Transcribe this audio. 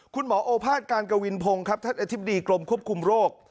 โอภาษการกวินพงศ์ครับท่านอธิบดีกรมควบคุมโรค